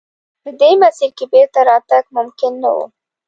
په دې مسیر کې بېرته راتګ ممکن نه و.